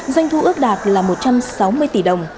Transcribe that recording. doanh thu ước đạt là một trăm sáu mươi tỷ đồng